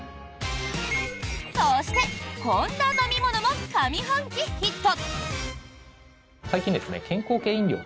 そしてこんな飲み物も上半期ヒット。